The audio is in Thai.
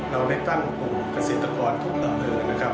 เราได้ตั้งกลุ่มเกษตรกรทุ่งดำเนินนะครับ